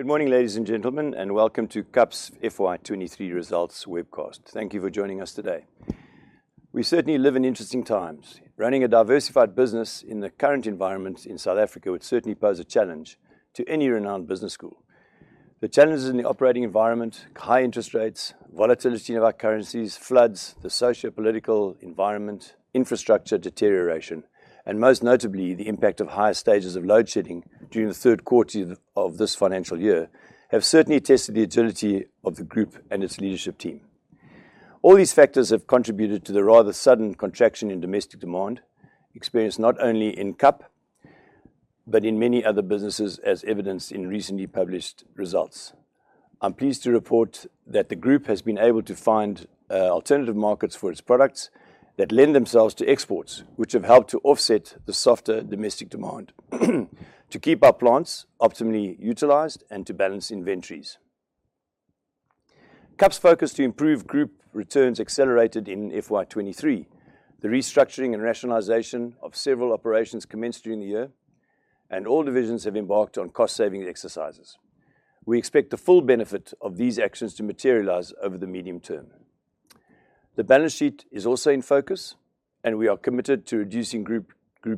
Good morning, ladies and gentlemen, and welcome to KAP's FY 2023 results webcast. Thank you for joining us today. We certainly live in interesting times. Running a diversified business in the current environment in South Africa would certainly pose a challenge to any renowned business school. The challenges in the operating environment, high interest rates, volatility of our currencies, floods, the sociopolitical environment, infrastructure deterioration, and most notably, the impact of higher stages of Load Shedding during the third quarter of this financial year, have certainly tested the agility of the group and its leadership team. All these factors have contributed to the rather sudden contraction in domestic demand, experienced not only in KAP, but in many other businesses, as evidenced in recently published results. I'm pleased to report that the group has been able to find alternative markets for its products that lend themselves to exports, which have helped to offset the softer domestic demand, to keep our plants optimally utilized and to balance inventories. KAP's focus to improve group returns accelerated in FY 2023. The restructuring and rationalization of several operations commenced during the year, and all divisions have embarked on cost-saving exercises. We expect the full benefit of these actions to materialize over the medium term. The balance sheet is also in focus, and we are committed to reducing group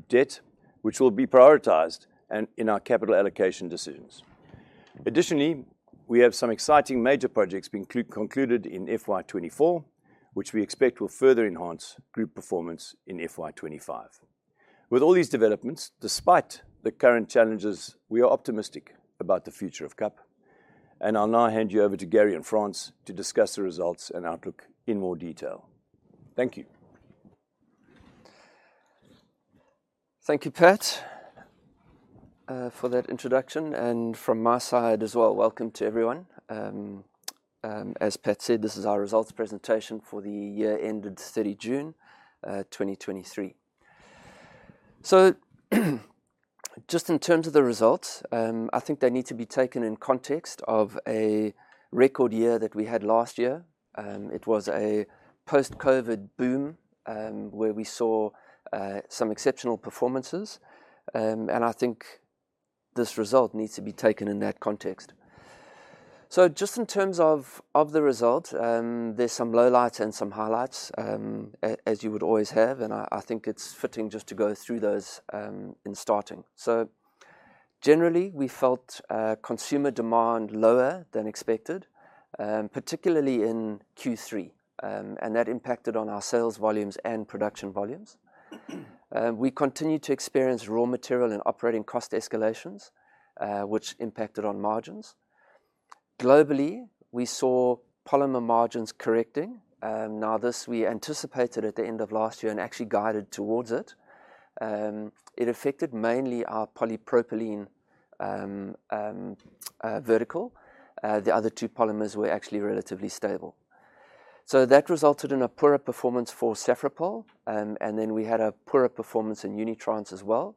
debt, which will be prioritized in our capital allocation decisions. Additionally, we have some exciting major projects being concluded in FY 2024, which we expect will further enhance group performance in FY 2025. With all these developments, despite the current challenges, we are optimistic about the future of KAP, and I'll now hand you over to Gary and Frans to discuss the results and outlook in more detail. Thank you. Thank you, Pat, for that introduction, and from my side as well, welcome to everyone. As Pat said, this is our results presentation for the year ended 30 June 2023. So, just in terms of the results, I think they need to be taken in context of a record year that we had last year. It was a post-COVID boom, where we saw some exceptional performances. And I think this result needs to be taken in that context. So just in terms of the result, there's some lowlights and some highlights, as you would always have, and I think it's fitting just to go through those in starting. So generally, we felt consumer demand lower than expected, particularly in Q3, and that impacted on our sales volumes and production volumes. We continued to experience raw material and operating cost escalations, which impacted on margins. Globally, we saw polymer margins correcting. Now this we anticipated at the end of last year and actually guided towards it. It affected mainly our polypropylene, vertical. The other two polymers were actually relatively stable. So that resulted in a poorer performance for Safripol, and then we had a poorer performance in Unitrans as well.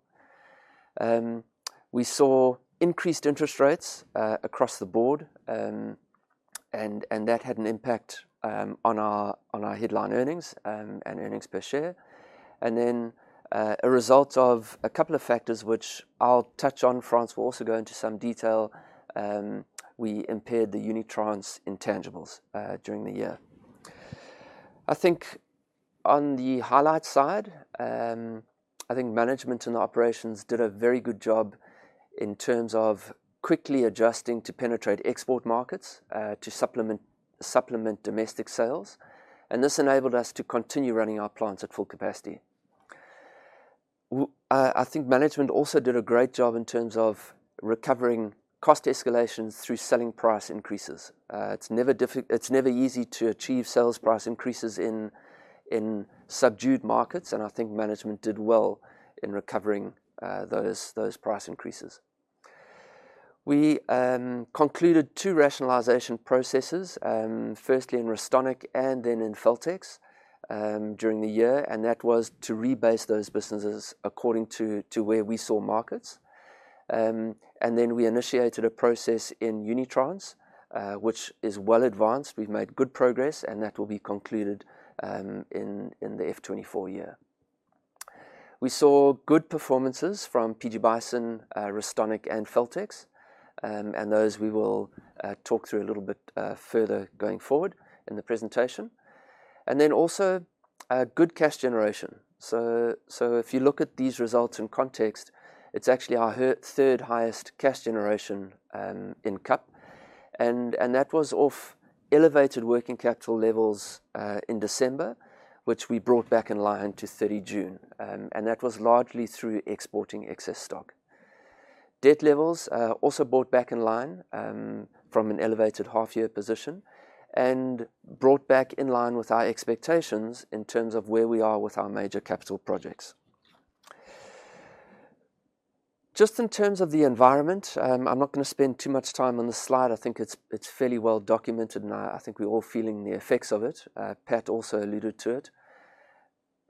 We saw increased interest rates, across the board, and, and that had an impact, on our, on our headline earnings, and earnings per share. And then, a result of a couple of factors, which I'll touch on, Frans will also go into some detail, we impaired the Unitrans intangibles, during the year. I think on the highlight side, I think management and operations did a very good job in terms of quickly adjusting to penetrate export markets, to supplement, supplement domestic sales, and this enabled us to continue running our plants at full capacity. I think management also did a great job in terms of recovering cost escalations through selling price increases. It's never easy to achieve sales price increases in subdued markets, and I think management did well in recovering those, those price increases. We concluded two rationalization processes, firstly in Restonic and then in Feltex, during the year, and that was to rebase those businesses according to where we saw markets. And then we initiated a process in Unitrans, which is well advanced. We've made good progress, and that will be concluded in the FY 2024 year. We saw good performances from PG Bison, Restonic, and Feltex, and those we will talk through a little bit further going forward in the presentation. And then also good cash generation. So if you look at these results in context, it's actually our third highest cash generation in KAP, and that was off elevated working capital levels in December, which we brought back in line to 30 June. And that was largely through exporting excess stock. Debt levels also brought back in line from an elevated half-year position, and brought back in line with our expectations in terms of where we are with our major capital projects. Just in terms of the environment, I'm not gonna spend too much time on this slide. I think it's fairly well documented, and I think we're all feeling the effects of it. Pat also alluded to it.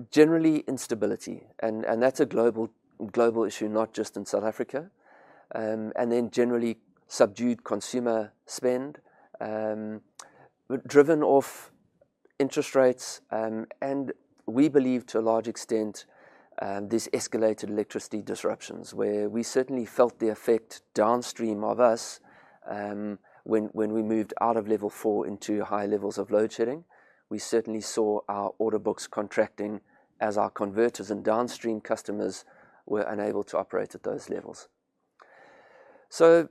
Generally, instability, and that's a global issue, not just in South Africa. And then generally subdued consumer spend, driven by interest rates, and we believe to a large extent, this escalated electricity disruptions, where we certainly felt the effect downstream of us, when we moved out of level four into higher levels of load shedding. We certainly saw our order books contracting as our converters and downstream customers were unable to operate at those levels. So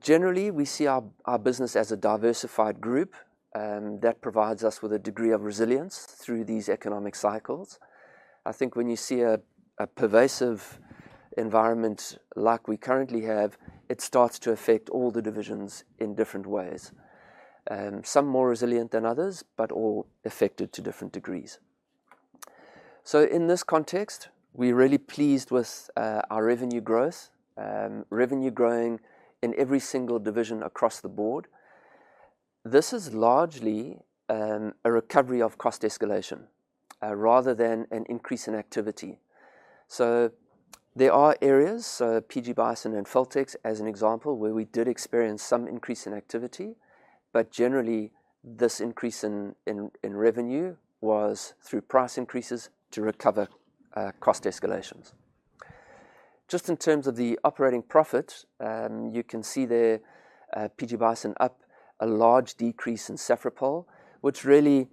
generally, we see our business as a diversified group, that provides us with a degree of resilience through these economic cycles. I think when you see a pervasive environment like we currently have, it starts to affect all the divisions in different ways, some more resilient than others, but all affected to different degrees. So in this context, we're really pleased with our revenue growth, revenue growing in every single division across the board. This is largely a recovery of cost escalation rather than an increase in activity. So there are areas, so PG Bison and Feltex, as an example, where we did experience some increase in activity, but generally, this increase in revenue was through price increases to recover cost escalations. Just in terms of the operating profit, you can see there, PG Bison up, a large decrease in Safripol, which really,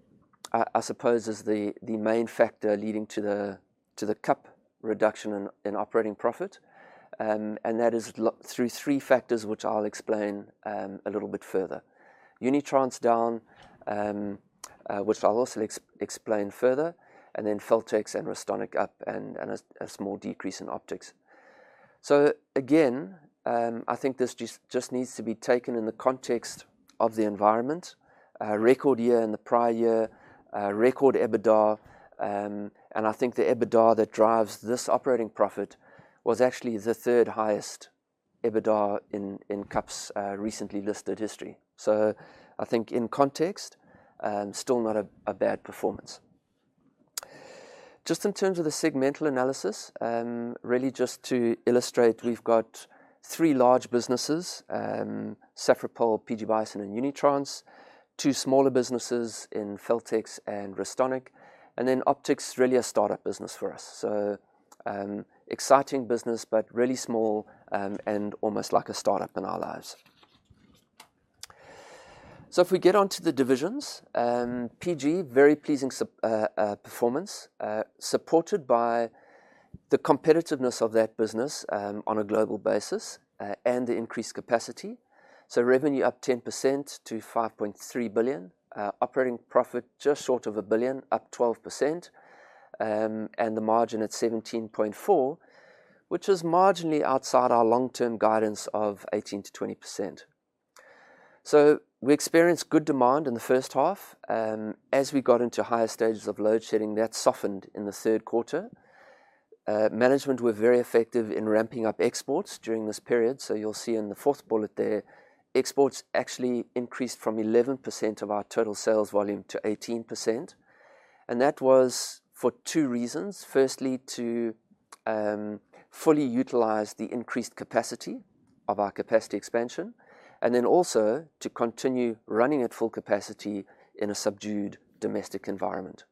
I, I suppose, is the, the main factor leading to the, to the KAP reduction in, in operating profit. And that is largely through three factors, which I'll explain a little bit further. Unitrans down, which I'll also explain further, and then Feltex and Restonic up, and, and a, a small decrease in Optix. So again, I think this just, just needs to be taken in the context of the environment. A record year in the prior year, a record EBITDA, and I think the EBITDA that drives this operating profit was actually the third highest EBITDA in, in KAP's recently listed history. So I think in context, still not a, a bad performance. Just in terms of the segmental analysis, really just to illustrate, we've got three large businesses, Safripol, PG Bison and Unitrans, two smaller businesses in Feltex and Restonic, and then Optix is really a startup business for us. So, exciting business, but really small, and almost like a startup in our lives. So if we get onto the divisions, PG, very pleasing performance, supported by the competitiveness of that business, on a global basis, and the increased capacity. So revenue up 10% to 5.3 billion, operating profit just short of 1 billion, up 12%, and the margin at 17.4%, which is marginally outside our long-term guidance of 18%-20%. So we experienced good demand in the first half, as we got into higher stages of load shedding, that softened in the third quarter. Management were very effective in ramping up exports during this period, so you'll see in the fourth bullet there, exports actually increased from 11% of our total sales volume to 18%, and that was for two reasons. Firstly, to fully utilize the increased capacity of our capacity expansion, and then also to continue running at full capacity in a subdued domestic environment.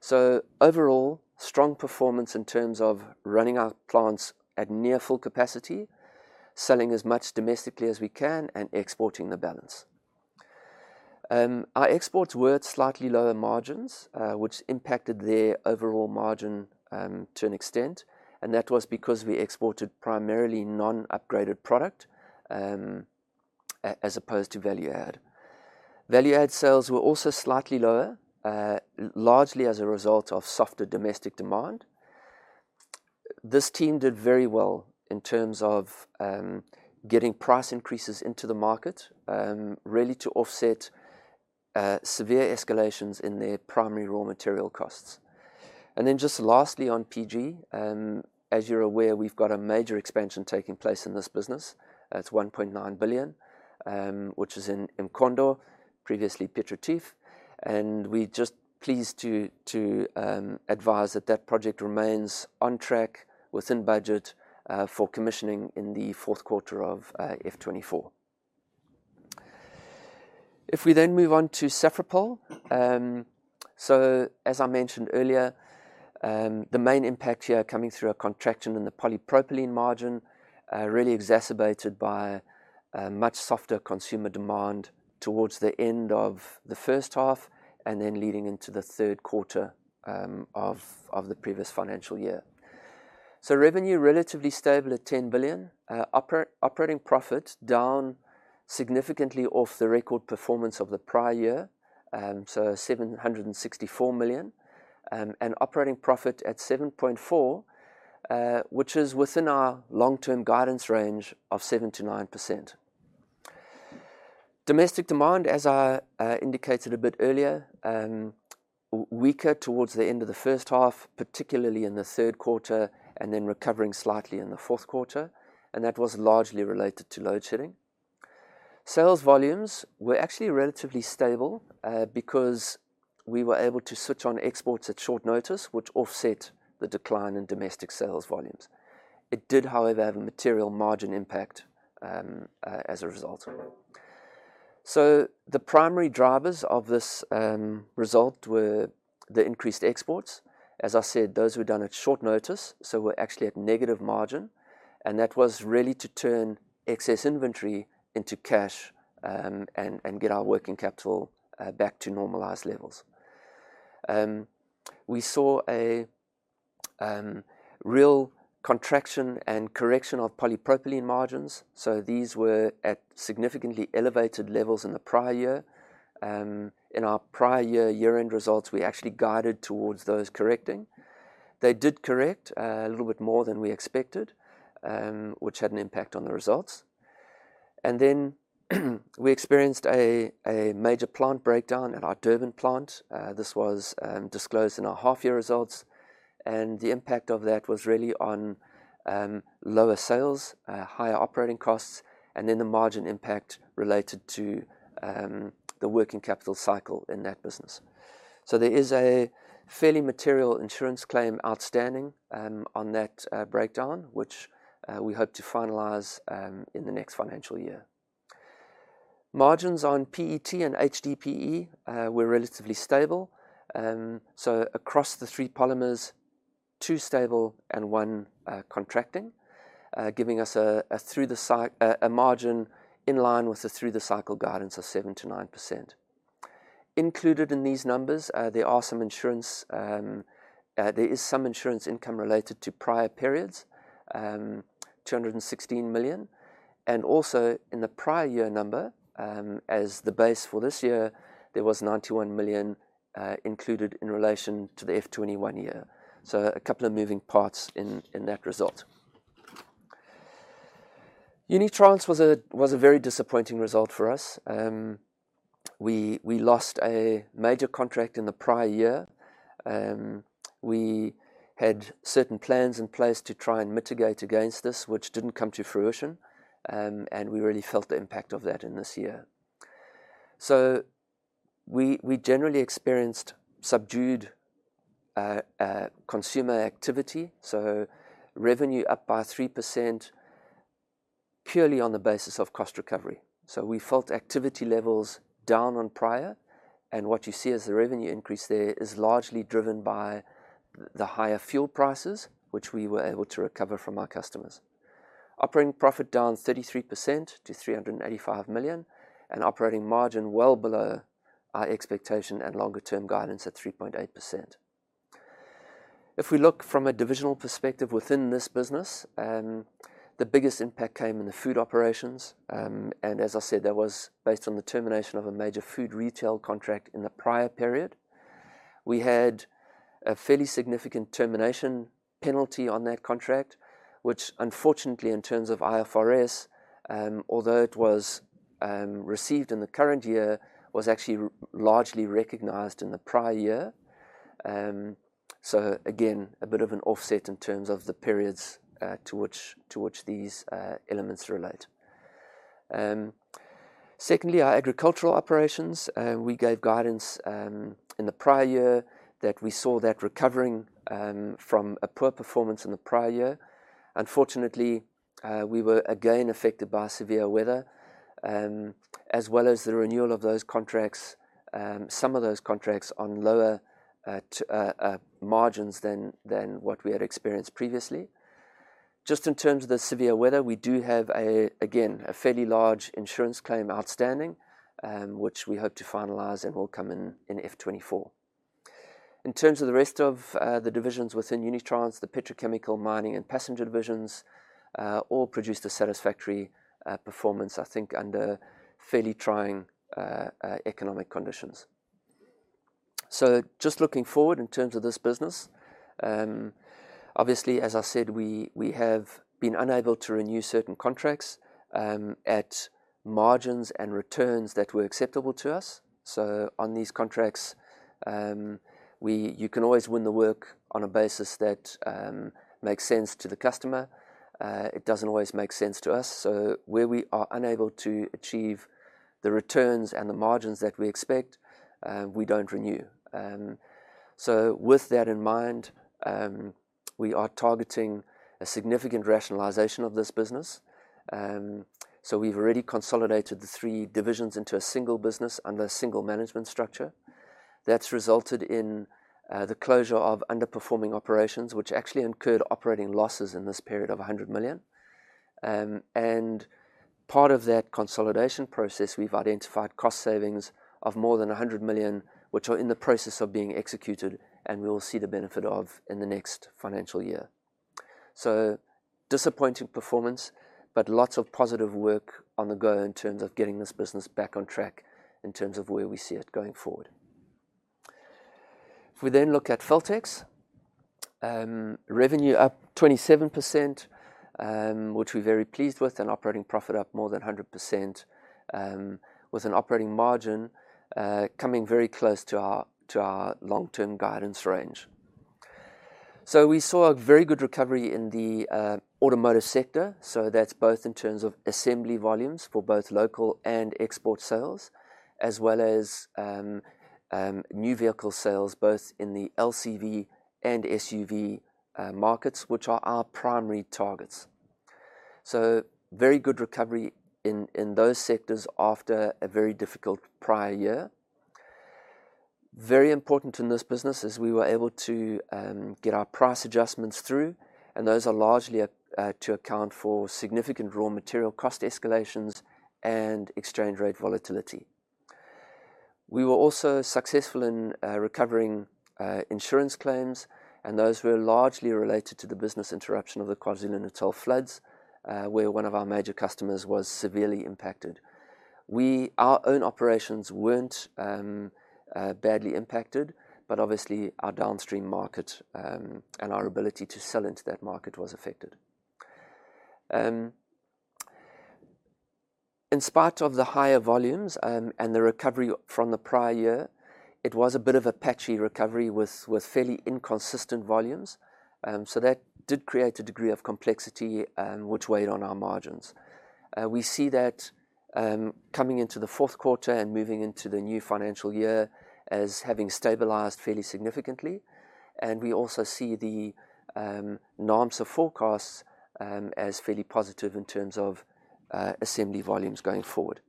So overall, strong performance in terms of running our plants at near full capacity, selling as much domestically as we can, and exporting the balance. Our exports were at slightly lower margins, which impacted their overall margin to an extent, and that was because we exported primarily non-upgraded product, as opposed to value add. Value add sales were also slightly lower, largely as a result of softer domestic demand. This team did very well in terms of, getting price increases into the market, really to offset, severe escalations in their primary raw material costs. And then just lastly, on PG, as you're aware, we've got a major expansion taking place in this business. It's 1.9 billion, which is in Mkhondo, previously Piet Retief, and we're just pleased to advise that that project remains on track, within budget, for commissioning in the fourth quarter of FY 2024. If we then move on to Safripol, so as I mentioned earlier, the main impact here coming through a contraction in the polypropylene margin, really exacerbated by a much softer consumer demand towards the end of the first half, and then leading into the third quarter, of the previous financial year. Revenue, relatively stable at 10 billion, operating profit down significantly off the record performance of the prior year, so 764 million, and operating profit at 7.4%, which is within our long-term guidance range of 7%-9%. Domestic demand, as I indicated a bit earlier, weaker towards the end of the first half, particularly in the third quarter, and then recovering slightly in the fourth quarter, and that was largely related to load shedding. Sales volumes were actually relatively stable, because we were able to switch on exports at short notice, which offset the decline in domestic sales volumes. It did, however, have a material margin impact as a result of it. So the primary drivers of this result were the increased exports. As I said, those were done at short notice, so we're actually at negative margin, and that was really to turn excess inventory into cash, and get our working capital back to normalized levels. We saw a real contraction and correction of polypropylene margins, so these were at significantly elevated levels in the prior year. In our prior year, year-end results, we actually guided towards those correcting. They did correct a little bit more than we expected, which had an impact on the results. Then, we experienced a major plant breakdown at our Durban plant. This was disclosed in our half-year results, and the impact of that was really on lower sales, higher operating costs, and then the margin impact related to the working capital cycle in that business. There is a fairly material insurance claim outstanding on that breakdown, which we hope to finalize in the next financial year. Margins on PET and HDPE were relatively stable. Across the three polymers, two stable and one contracting, giving us a margin in line with the through-the-cycle guidance of 7%-9%. Included in these numbers, there are some insurance, there is some insurance income related to prior periods, 216 million, and also in the prior year number, as the base for this year, there was 91 million, included in relation to the FY 2021 year. So a couple of moving parts in that result. Unitrans was a very disappointing result for us. We lost a major contract in the prior year. We had certain plans in place to try and mitigate against this, which didn't come to fruition, and we really felt the impact of that in this year. So we generally experienced subdued consumer activity, so revenue up by 3%, purely on the basis of cost recovery. So we felt activity levels down on prior, and what you see as the revenue increase there is largely driven by the higher fuel prices, which we were able to recover from our customers. Operating profit down 33% to 385 million, and operating margin well below our expectation and longer-term guidance at 3.8%. If we look from a divisional perspective within this business, the biggest impact came in the food operations. And as I said, that was based on the termination of a major food retail contract in the prior period. We had a fairly significant termination penalty on that contract, which unfortunately, in terms of IFRS, although it was received in the current year, was actually largely recognized in the prior year. So again, a bit of an offset in terms of the periods to which these elements relate. Secondly, our agricultural operations, we gave guidance in the prior year that we saw that recovering from a poor performance in the prior year. Unfortunately, we were again affected by severe weather, as well as the renewal of those contracts, some of those contracts on lower margins than what we had experienced previously. Just in terms of the severe weather, we do have again a fairly large insurance claim outstanding, which we hope to finalize and will come in FY 2024. In terms of the rest of the divisions within Unitrans, the petrochemical, mining, and passenger divisions all produced a satisfactory performance, I think, under fairly trying economic conditions. So just looking forward in terms of this business, obviously, as I said, we, we have been unable to renew certain contracts at margins and returns that were acceptable to us. So on these contracts, you can always win the work on a basis that makes sense to the customer. It doesn't always make sense to us, so where we are unable to achieve the returns and the margins that we expect, we don't renew. So with that in mind, we are targeting a significant rationalization of this business. So we've already consolidated the three divisions into a single business under a single management structure. That's resulted in the closure of underperforming operations, which actually incurred operating losses in this period of 100 million. And part of that consolidation process, we've identified cost savings of more than 100 million, which are in the process of being executed, and we will see the benefit of in the next financial year. So disappointing performance, but lots of positive work on the go in terms of getting this business back on track in terms of where we see it going forward. If we then look at Feltex, revenue up 27%, which we're very pleased with, and operating profit up more than 100%, with an operating margin coming very close to our, to our long-term guidance range. So we saw a very good recovery in the automotive sector, so that's both in terms of assembly volumes for both local and export sales, as well as new vehicle sales, both in the LCV and SUV markets, which are our primary targets. So very good recovery in those sectors after a very difficult prior year. Very important in this business is we were able to get our price adjustments through, and those are largely to account for significant raw material cost escalations and exchange rate volatility. We were also successful in recovering insurance claims, and those were largely related to the business interruption of the KwaZulu-Natal floods, where one of our major customers was severely impacted. Our own operations weren't badly impacted, but obviously, our downstream market and our ability to sell into that market was affected. In spite of the higher volumes and the recovery from the prior year, it was a bit of a patchy recovery with fairly inconsistent volumes. So that did create a degree of complexity, which weighed on our margins. We see that coming into the fourth quarter and moving into the new financial year as having stabilized fairly significantly, and we also see the NAAMSA forecasts as fairly positive in terms of assembly volumes going forward.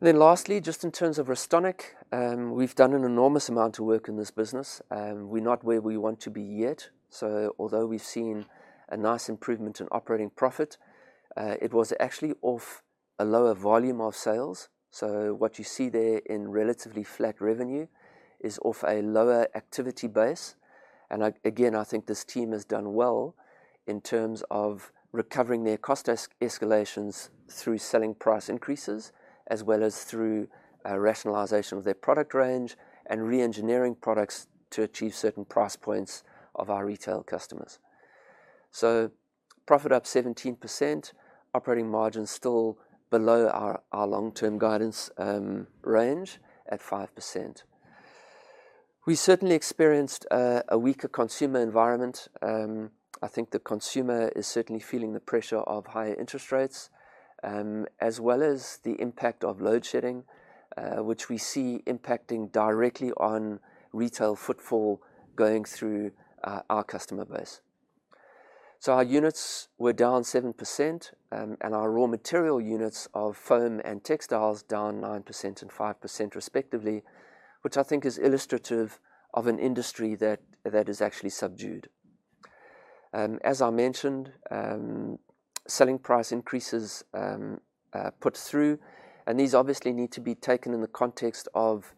Then lastly, just in terms of Restonic, we've done an enormous amount of work in this business, and we're not where we want to be yet. Although we've seen a nice improvement in operating profit, it was actually off a lower volume of sales. What you see there in relatively flat revenue is off a lower activity base, and I again, I think this team has done well in terms of recovering their cost escalations through selling price increases, as well as through, rationalization of their product range and reengineering products to achieve certain price points of our retail customers. Profit up 17%, operating margin still below our, our long-term guidance, range at 5%. We certainly experienced, a weaker consumer environment. I think the consumer is certainly feeling the pressure of higher interest rates, as well as the impact of load shedding, which we see impacting directly on retail footfall going through, our customer base. So our units were down 7%, and our raw material units of foam and textiles down 9% and 5% respectively, which I think is illustrative of an industry that is actually subdued. As I mentioned, selling price increases put through, and these obviously need to be taken in the context of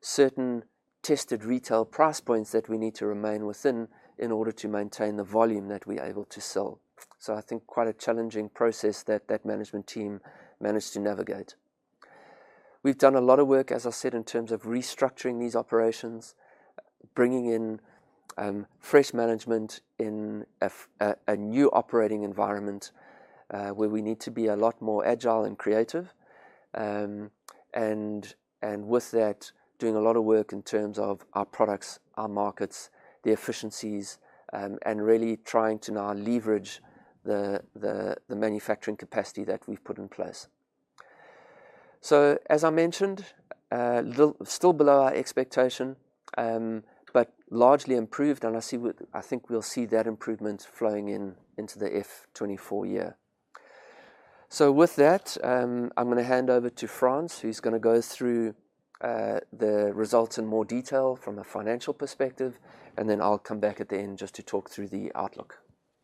certain tested retail price points that we need to remain within in order to maintain the volume that we're able to sell. So I think quite a challenging process that management team managed to navigate. We've done a lot of work, as I said, in terms of restructuring these operations, bringing in fresh management in a new operating environment, where we need to be a lot more agile and creative. With that, doing a lot of work in terms of our products, our markets, the efficiencies, and really trying to now leverage the manufacturing capacity that we've put in place. So, as I mentioned, still below our expectation, but largely improved, and I see I think we'll see that improvement flowing in into the F 24 year. So with that, I'm gonna hand over to Frans, who's gonna go through the results in more detail from a financial perspective, and then I'll come back at the end just to talk through the outlook.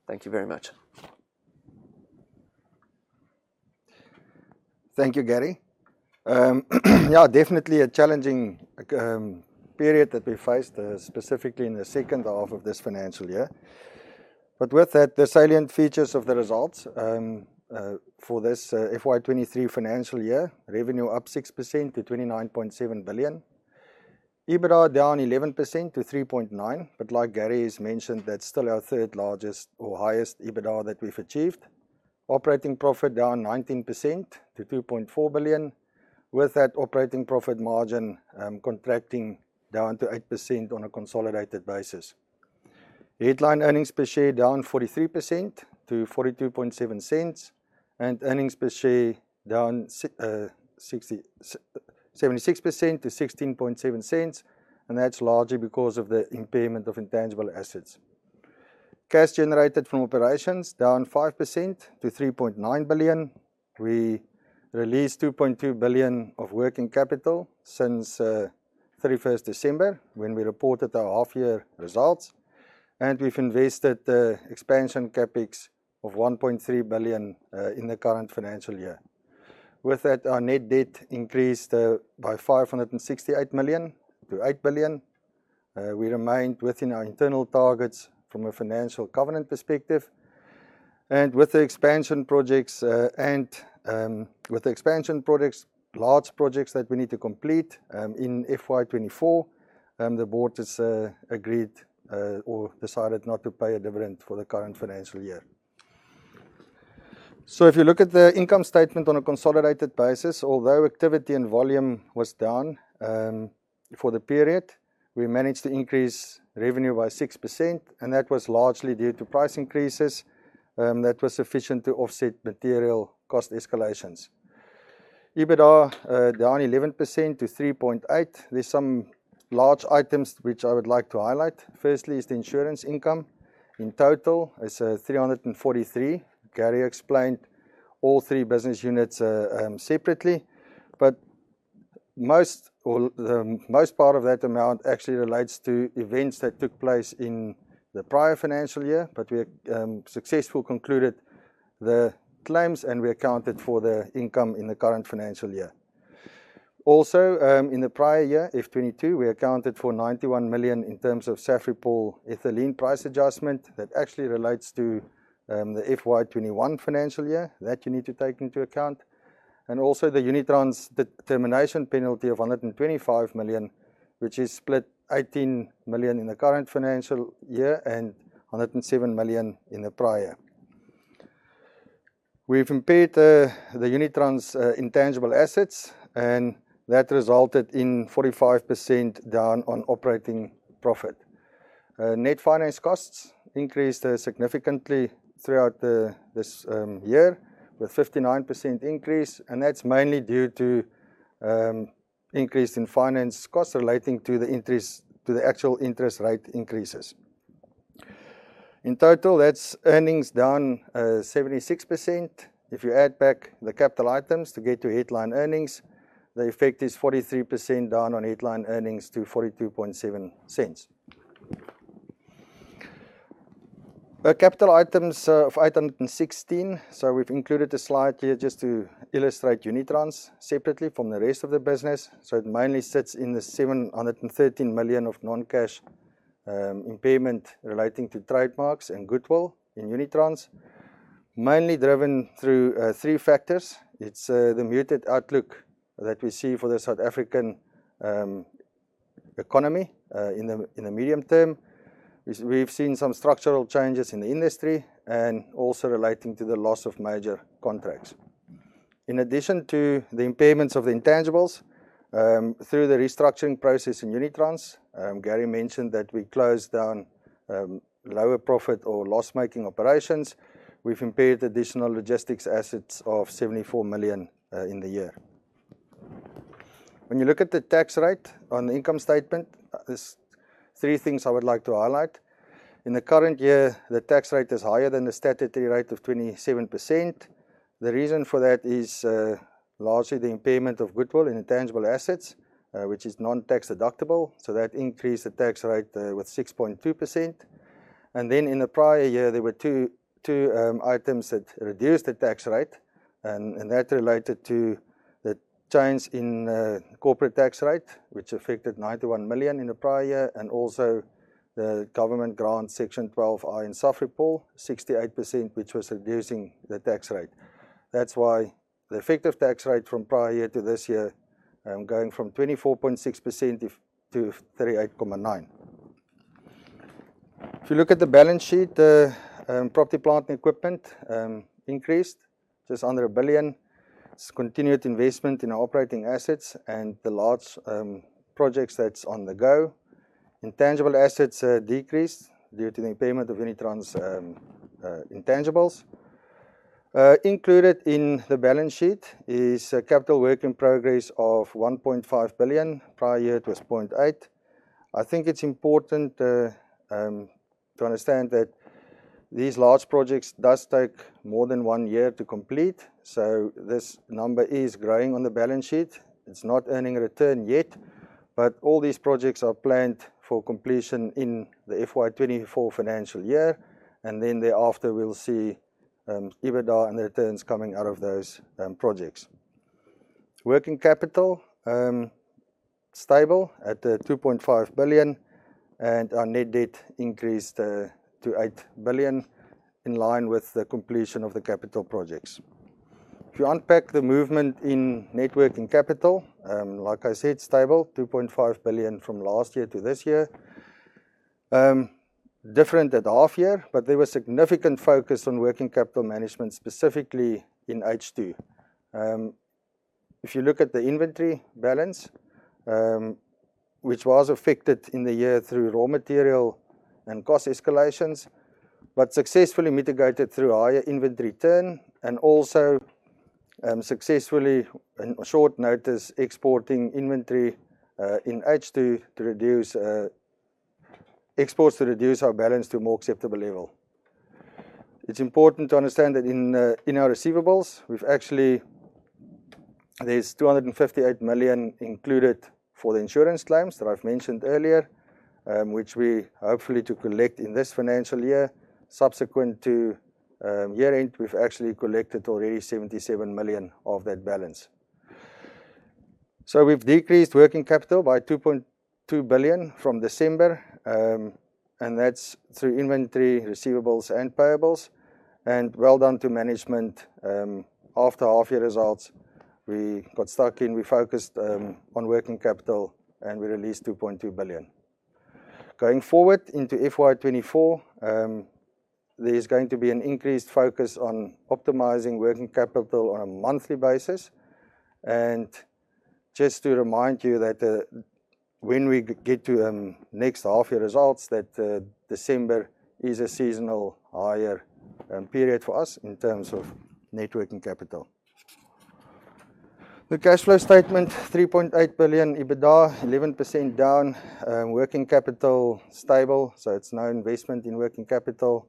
Thank you very much. Thank you, Gary. Yeah, definitely a challenging period that we faced, specifically in the second half of this financial year. But with that, the salient features of the results for this FY 2023 financial year, revenue up 6% to 29.7 billion. EBITDA down 11% to 3.9 billion, but like Gary has mentioned, that's still our third largest or highest EBITDA that we've achieved. Operating profit down 19% to 2.4 billion, with that operating profit margin contracting down to 8% on a consolidated basis. Headline earnings per share down 43% to 0.427, and earnings per share down 76% to 0.167, and that's largely because of the impairment of intangible assets. Cash generated from operations down 5% to 3.9 billion. We released 2.2 billion of working capital since 31st December, when we reported our half-year results, and we've invested expansion CapEx of 1.3 billion in the current financial year. With that, our net debt increased by 568 million to 8 billion. We remained within our internal targets from a financial covenant perspective. With the expansion projects, large projects that we need to complete in FY 2024, the board has agreed or decided not to pay a dividend for the current financial year. So if you look at the income statement on a consolidated basis, although activity and volume was down for the period, we managed to increase revenue by 6%, and that was largely due to price increases that were sufficient to offset material cost escalations. EBITDA down 11% to 3.8 billion. There's some large items which I would like to highlight. Firstly, is the insurance income. In total, it's 343 million. Gary explained all three business units separately, but most or the most part of that amount actually relates to events that took place in the prior financial year, but we successful concluded the claims, and we accounted for the income in the current financial year. Also, in the prior year, FY 2022, we accounted for 91 million in terms of Safripol ethylene price adjustment. That actually relates to the FY 2021 financial year, that you need to take into account. And also the Unitrans termination penalty of 125 million, which is split 18 million in the current financial year and 107 million in the prior. We've impaired the Unitrans intangible assets, and that resulted in 45% down on operating profit. Net finance costs increased significantly throughout this year, with 59% increase, and that's mainly due to increase in finance costs relating to the interest to the actual interest rate increases. In total, that's earnings down 76%. If you add back the capital items to get to headline earnings, the effect is 43% down on headline earnings to 0.427. The capital items of item number 16, so we've included a slide here just to illustrate Unitrans separately from the rest of the business. So it mainly sits in the 713 million of non-cash impairment relating to trademarks and goodwill in Unitrans, mainly driven through three factors. It's the muted outlook that we see for the South African economy in the medium term. We've seen some structural changes in the industry and also relating to the loss of major contracts. In addition to the impairments of the intangibles, through the restructuring process in Unitrans, Gary mentioned that we closed down lower profit or loss-making operations. We've impaired additional logistics assets of 74 million in the year. When you look at the tax rate on the income statement, there's three things I would like to highlight. In the current year, the tax rate is higher than the statutory rate of 27%. The reason for that is largely the impairment of goodwill and intangible assets, which is non-tax deductible, so that increased the tax rate with 6.2%. Then in the prior year, there were two items that reduced the tax rate, and that related to the change in the corporate tax rate, which affected 91 million in the prior year, and also the government grant Section 12I in Safripol, 68 million, which was reducing the tax rate. That's why the effective tax rate from prior year to this year going from 24.6% to 38.9%. If you look at the balance sheet, property, plant, and equipment increased just under 1 billion. It's continued investment in our operating assets and the large projects that's on the go. Intangible assets decreased due to the impairment of Unitrans intangibles. Included in the balance sheet is capital work in progress of 1.5 billion. Prior year, it was 0.8 billion. I think it's important to understand that these large projects does take more than one year to complete, so this number is growing on the balance sheet. It's not earning a return yet, but all these projects are planned for completion in the FY 2024 financial year, and then thereafter, we'll see EBITDA and the returns coming out of those projects. Working capital stable at 2.5 billion, and our net debt increased to 8 billion, in line with the completion of the capital projects. To unpack the movement in net working capital, like I said, stable, 2.5 billion from last year to this year. Different at half year, but there was significant focus on working capital management, specifically in H2. If you look at the inventory balance, which was affected in the year through raw material and cost escalations, but successfully mitigated through higher inventory return and also, successfully, in short notice, exporting inventory in H2 to reduce our balance to a more acceptable level. It's important to understand that in our receivables, we've actually. There's 258 million included for the insurance claims that I've mentioned earlier, which we hopefully to collect in this financial year. Subsequent to year-end, we've actually collected already 77 million of that balance. We've decreased working capital by 2.2 billion from December, and that's through inventory, receivables, and payables, and well done to management. After half year results, we got stuck in, we focused on working capital, and we released 2.2 billion. Going forward into FY 2024, there is going to be an increased focus on optimizing working capital on a monthly basis, and just to remind you that, when we get to next half-year results, that December is a seasonal higher period for us in terms of net working capital. The cash flow statement, 3.8 billion EBITDA, 11% down. Working capital stable, so it's no investment in working capital.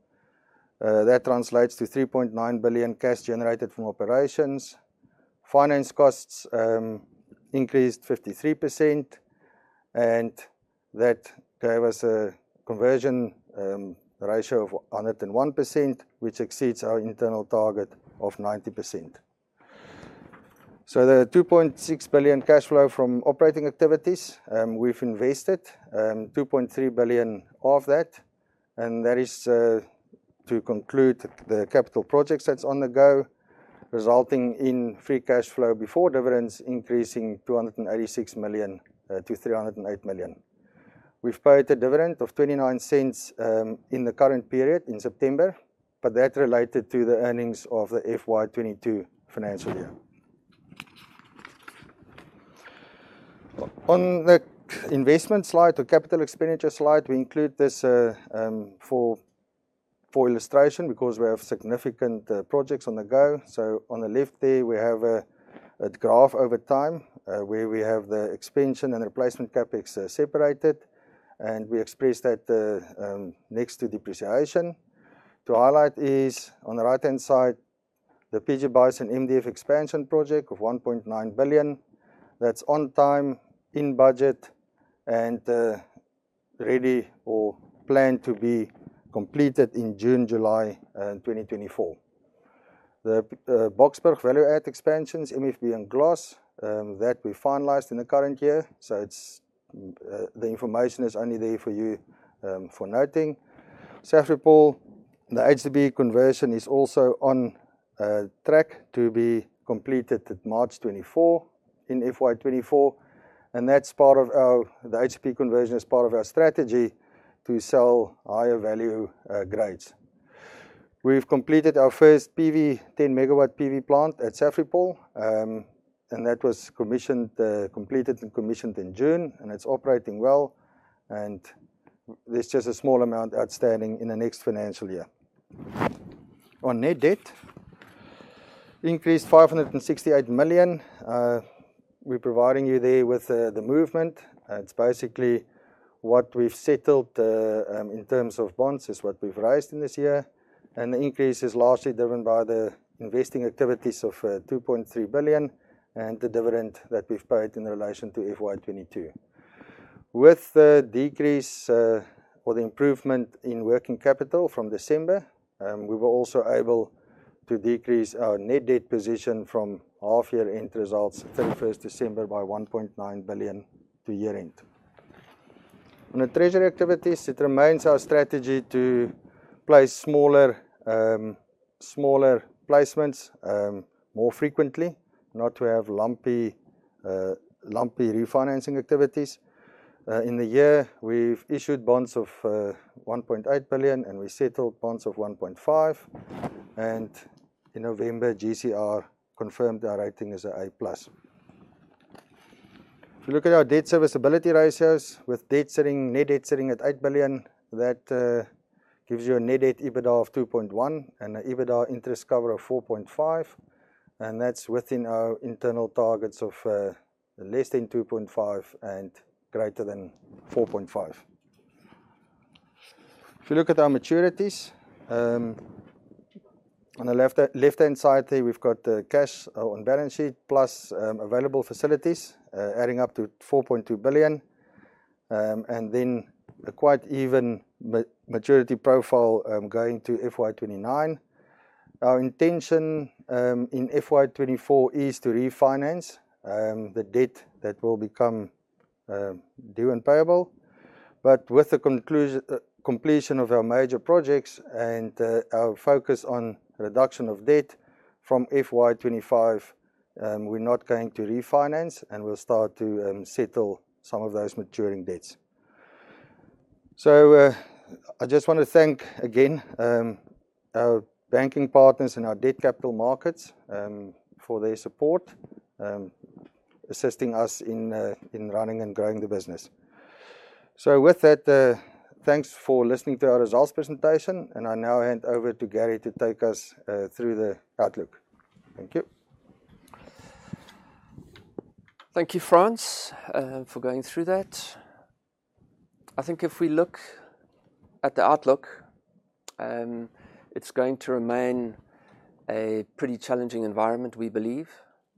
That translates to 3.9 billion cash generated from operations. Finance costs increased 53%, and that gave us a conversion ratio of 101%, which exceeds our internal target of 90%. So the 2.6 billion cash flow from operating activities, we've invested 2.3 billion of that, and that is to conclude the capital projects that's on the go, resulting in free cash flow before dividends increasing 286 million-308 million. We've paid a dividend of 0.29 in the current period, in September, but that related to the earnings of the FY 2022 financial year. On the investment slide or capital expenditure slide, we include this for illustration because we have significant projects on the go. On the left there, we have a graph over time, where we have the expansion and replacement CapEx separated, and we express that next to depreciation. To highlight is, on the right-hand side, the PG Bison MDF expansion project of 1.9 billion. That's on time, in budget, and ready or planned to be completed in June, July, 2024. The Boksburg value-add expansions, MFB and Gloss, that we finalized in the current year, so it's the information is only there for you for noting. Safripol, the HCP conversion is also on track to be completed at March 2024 in FY 2024, and that's part of our. The HCP conversion is part of our strategy to sell higher value grades. We've completed our first PV, 10-MW PV plant at Safripol, and that was commissioned, completed and commissioned in June, and it's operating well, and there's just a small amount outstanding in the next financial year. On net debt, increased 568 million. We're providing you there with the movement. It's basically what we've settled, in terms of bonds, is what we've raised in this year. And the increase is largely driven by the investing activities of 2.3 billion and the dividend that we've paid in relation to FY 2022. With the decrease, or the improvement in working capital from December, we were also able to decrease our net debt position from half-year end results, 31 December, by 1.9 billion to year-end. On the treasury activities, it remains our strategy to place smaller, smaller placements, more frequently, not to have lumpy, lumpy refinancing activities. In the year, we've issued bonds of 1.8 billion, and we settled bonds of 1.5 billion. In November, GCR confirmed our rating as A+. If you look at our debt serviceability ratios, with debt sitting, net debt sitting at 8 billion, that gives you a net debt EBITDA of 2.1 and an EBITDA interest cover of 4.5, and that's within our internal targets of less than 2.5 and greater than 4.5. If you look at our maturities, on the left, left-hand side there, we've got the cash on balance sheet plus available facilities, adding up to 4.2 billion, and then a quite even maturity profile, going to FY 2029. Our intention in FY 2024 is to refinance the debt that will become due and payable. But with the completion of our major projects and our focus on reduction of debt from FY 2025, we're not going to refinance, and we'll start to settle some of those maturing debts. So, I just wanna thank again our banking partners and our debt capital markets for their support, assisting us in running and growing the business. With that, thanks for listening to our results presentation, and I now hand over to Gary to take us through the outlook. Thank you. Thank you, Frans, for going through that. I think if we look at the outlook, it's going to remain a pretty challenging environment, we believe.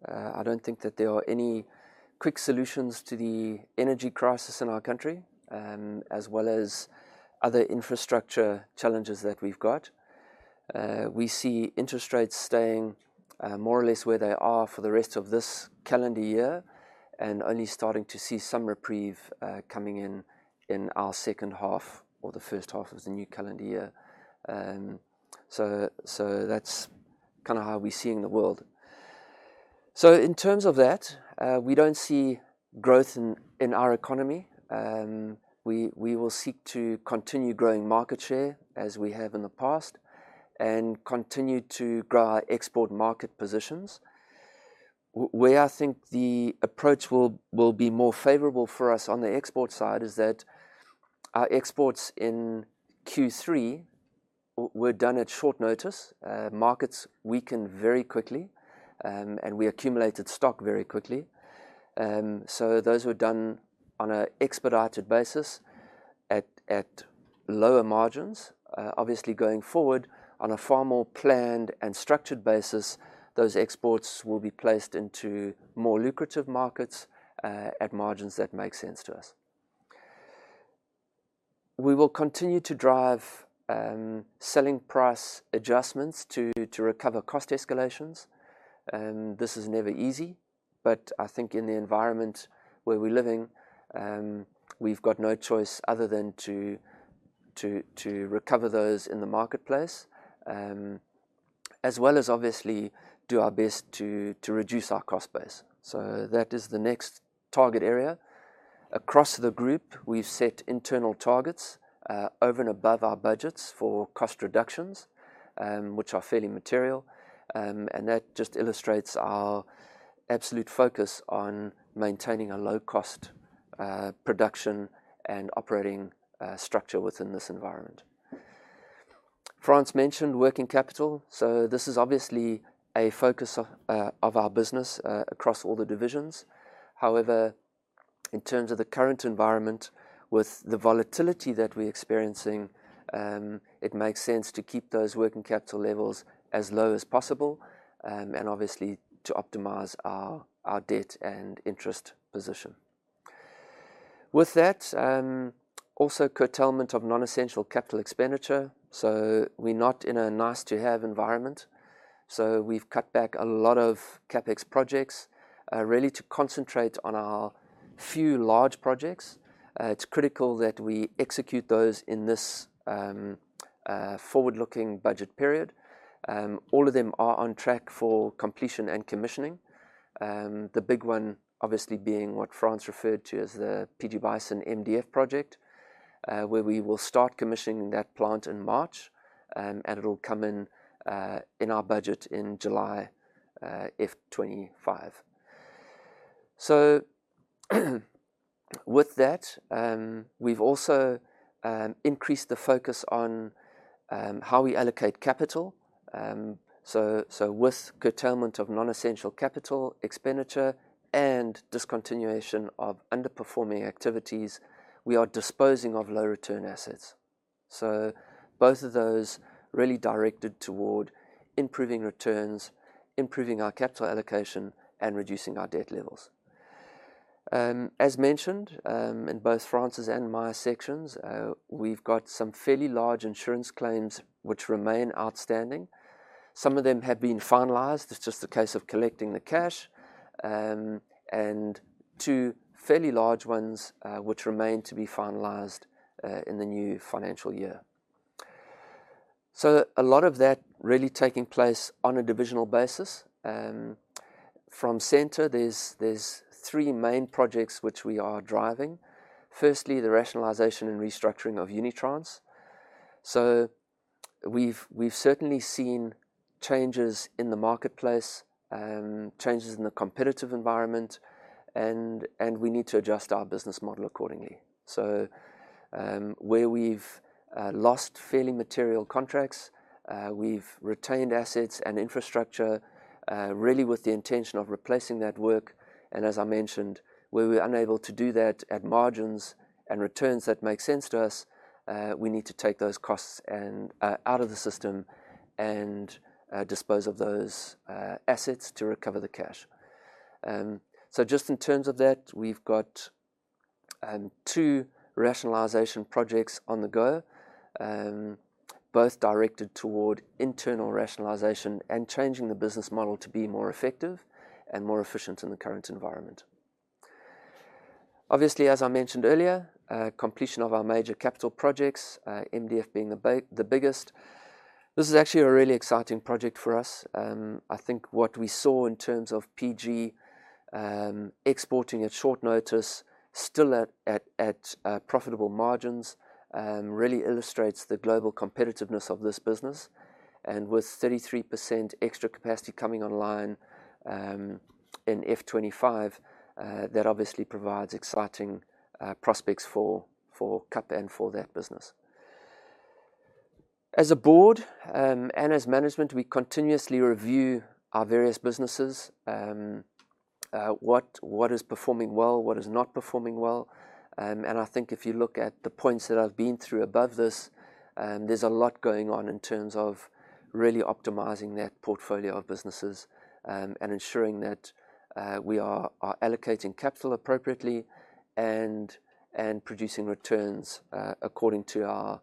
I don't think that there are any quick solutions to the energy crisis in our country, as well as other infrastructure challenges that we've got. We see interest rates staying, more or less where they are for the rest of this calendar year, and only starting to see some reprieve, coming in, in our second half or the first half of the new calendar year. So, that's kinda how we're seeing the world. So in terms of that, we don't see growth in our economy, we will seek to continue growing market share as we have in the past, and continue to grow our export market positions. Where I think the approach will be more favorable for us on the export side is that our exports in Q3 were done at short notice. Markets weakened very quickly, and we accumulated stock very quickly. So those were done on an expedited basis at lower margins. Obviously, going forward, on a far more planned and structured basis, those exports will be placed into more lucrative markets at margins that make sense to us. We will continue to drive selling price adjustments to recover cost escalations, and this is never easy, but I think in the environment where we're living, we've got no choice other than to recover those in the marketplace. As well as obviously do our best to reduce our cost base. So that is the next target area. Across the group, we've set internal targets over and above our budgets for cost reductions, which are fairly material. That just illustrates our absolute focus on maintaining a low-cost production and operating structure within this environment. Frans mentioned working capital, so this is obviously a focus of our business across all the divisions. However, in terms of the current environment, with the volatility that we're experiencing, it makes sense to keep those working capital levels as low as possible and obviously to optimize our debt and interest position. With that also, curtailment of non-essential capital expenditure, so we're not in a nice-to-have environment. So we've cut back a lot of CapEx projects really to concentrate on our few large projects. It's critical that we execute those in this forward-looking budget period. All of them are on track for completion and commissioning. The big one obviously being what Frans referred to as the PG Bison MDF project, where we will start commissioning that plant in March, and it'll come in, in our budget in July, FY 2025. So, with that, we've also increased the focus on how we allocate capital. So, so with curtailment of non-essential capital expenditure and discontinuation of underperforming activities, we are disposing of low-return assets. So both of those really directed toward improving returns, improving our capital allocation, and reducing our debt levels. As mentioned, in both Frans's and my sections, we've got some fairly large insurance claims which remain outstanding. Some of them have been finalized. It's just a case of collecting the cash, and two fairly large ones, which remain to be finalized, in the new financial year. So a lot of that really taking place on a divisional basis. From center, there's three main projects which we are driving. Firstly, the rationalization and restructuring of Unitrans. So we've certainly seen changes in the marketplace, changes in the competitive environment, and we need to adjust our business model accordingly. So, where we've lost fairly material contracts, we've retained assets and infrastructure, really with the intention of replacing that work, and as I mentioned, where we're unable to do that at margins and returns that make sense to us, we need to take those costs and out of the system and dispose of those assets to recover the cash. So just in terms of that, we've got two rationalization projects on the go, both directed toward internal rationalization and changing the business model to be more effective and more efficient in the current environment. Obviously, as I mentioned earlier, completion of our major capital projects, MDF being the biggest. This is actually a really exciting project for us. I think what we saw in terms of PG, exporting at short notice, still at profitable margins, really illustrates the global competitiveness of this business. And with 33% extra capacity coming online, in FY 2025, that obviously provides exciting prospects for KAP and for that business. As a board, and as management, we continuously review our various businesses, what is performing well, what is not performing well. And I think if you look at the points that I've been through above this, there's a lot going on in terms of really optimizing that portfolio of businesses, and ensuring that we are allocating capital appropriately and producing returns, according to our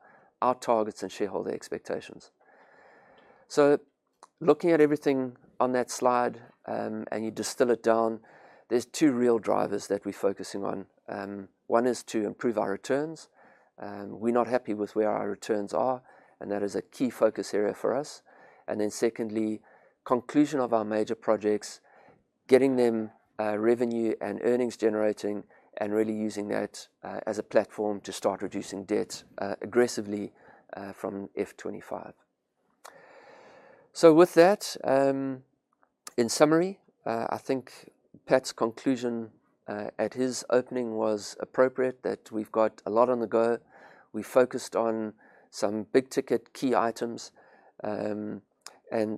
targets and shareholder expectations. So looking at everything on that slide, and you distill it down, there's two real drivers that we're focusing on. One is to improve our returns, we're not happy with where our returns are, and that is a key focus area for us. And then secondly, conclusion of our major projects, getting them, revenue and earnings generating, and really using that, as a platform to start reducing debt, aggressively, from F 2025. So with that, in summary, I think Pat's conclusion, at his opening was appropriate, that we've got a lot on the go. We focused on some big-ticket key items, and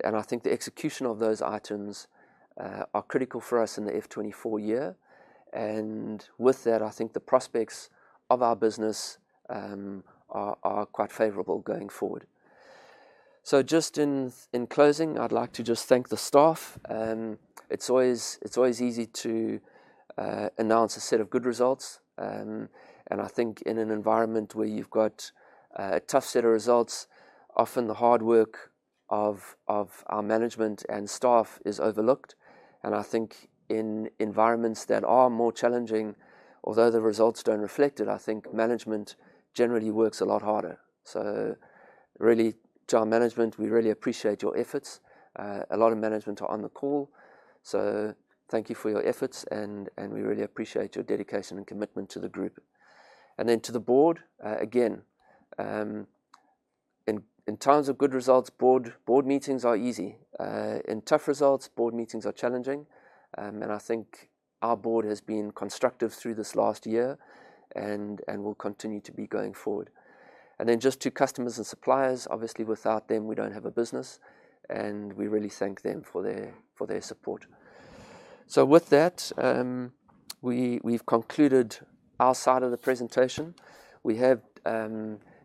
I think the execution of those items, are critical for us in the F 2024 year. And with that, I think the prospects of our business, are quite favorable going forward. So just in closing, I'd like to just thank the staff. It's always easy to announce a set of good results. And I think in an environment where you've got a tough set of results, often the hard work of our management and staff is overlooked. And I think in environments that are more challenging, although the results don't reflect it, I think management generally works a lot harder. So really, to our management, we really appreciate your efforts. A lot of management are on the call, so thank you for your efforts, and we really appreciate your dedication and commitment to the group. And then to the board, again, in times of good results, board meetings are easy. In tough results, board meetings are challenging, and I think our board has been constructive through this last year and will continue to be going forward. And then just to customers and suppliers, obviously, without them, we don't have a business, and we really thank them for their support. So with that, we've concluded our side of the presentation. We have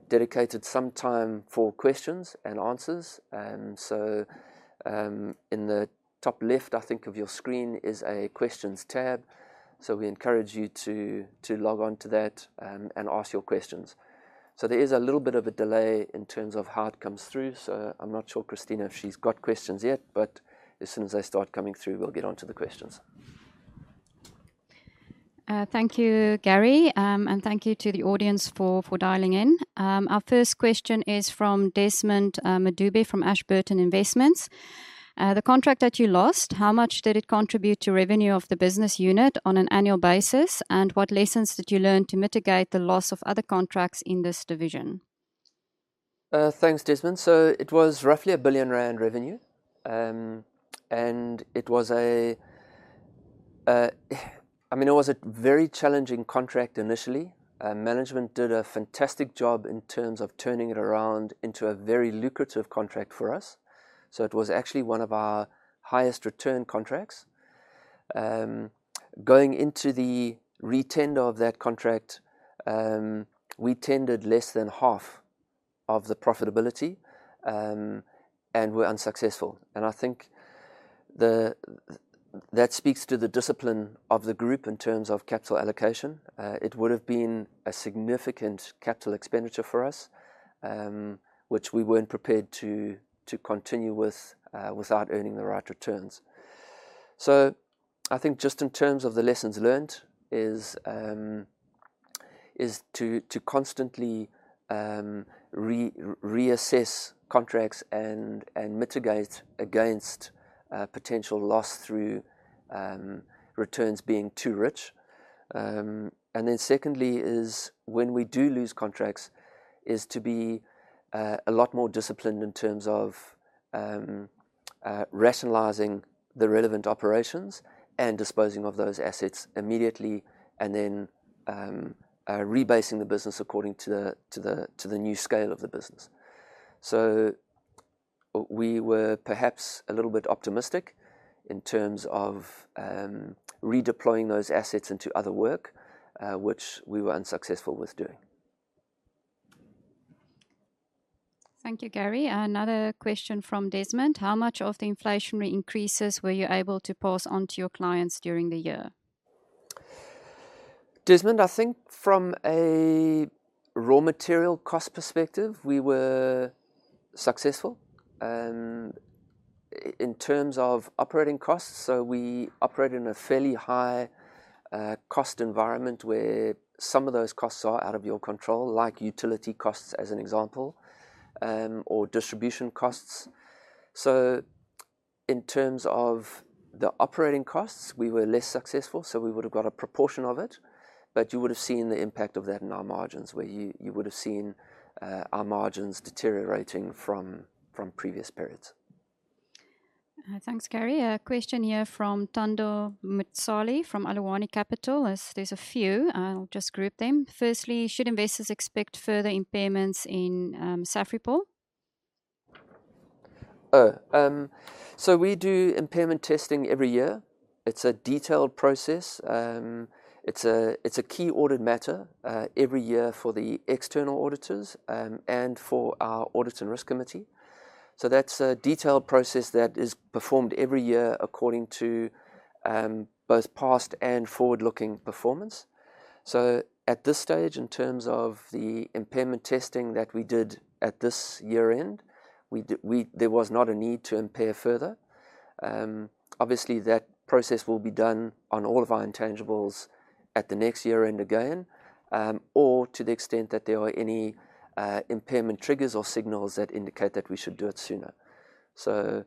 dedicated some time for questions and answers, and so in the top left, I think, of your screen is a Questions tab. So we encourage you to log on to that and ask your questions. So there is a little bit of a delay in terms of how it comes through, so I'm not sure, Christina, if she's got questions yet, but as soon as they start coming through, we'll get onto the questions. Thank you, Gary, and thank you to the audience for dialing in. Our first question is from Desmond Mahube, from Ashburton Investments. "The contract that you lost, how much did it contribute to revenue of the business unit on an annual basis? And what lessons did you learn to mitigate the loss of other contracts in this division? Thanks, Desmond. So it was roughly 1 billion rand revenue. And it was a, I mean, it was a very challenging contract initially. Management did a fantastic job in terms of turning it around into a very lucrative contract for us, so it was actually one of our highest return contracts. Going into the re-tender of that contract, we tendered less than half of the profitability, and were unsuccessful, and I think that speaks to the discipline of the group in terms of capital allocation. It would have been a significant capital expenditure for us, which we weren't prepared to continue with, without earning the right returns. I think just in terms of the lessons learned is to constantly reassess contracts and mitigate against potential loss through returns being too rich. And then secondly, when we do lose contracts, to be a lot more disciplined in terms of rationalizing the relevant operations and disposing of those assets immediately, and then rebasing the business according to the new scale of the business. So we were perhaps a little bit optimistic in terms of redeploying those assets into other work, which we were unsuccessful with doing. Thank you, Gary. Another question from Desmond: "How much of the inflationary increases were you able to pass on to your clients during the year? Desmond, I think from a raw material cost perspective, we were successful. In terms of operating costs, so we operate in a fairly high cost environment, where some of those costs are out of your control, like utility costs, as an example, or distribution costs. So in terms of the operating costs, we were less successful, so we would have got a proportion of it, but you would have seen the impact of that in our margins, where you would have seen our margins deteriorating from previous periods. Thanks, Gary. A question here from Thando Mtshali, from Aluwani Capital. There's a few. I'll just group them. Firstly, "Should investors expect further impairments in Safripol? Oh, so we do impairment testing every year. It's a detailed process. It's a key audit matter every year for the external auditors, and for our audit and risk committee. So that's a detailed process that is performed every year according to both past and forward-looking performance. So at this stage, in terms of the impairment testing that we did at this year-end, there was not a need to impair further. Obviously, that process will be done on all of our intangibles at the next year-end again, or to the extent that there are any impairment triggers or signals that indicate that we should do it sooner. So,